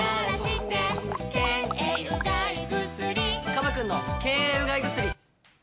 かばくんの健栄うがい薬。